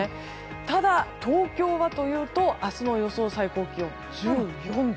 ただ、東京はというと明日の予想最高気温１４度。